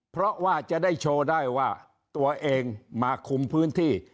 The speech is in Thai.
เพราะว่าจะได้โชว์ได้ว่าตัวเองมาคุมพื้นที่